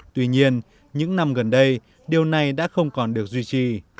tuy nhiên những năm gần đây điều này đã không còn được duy trì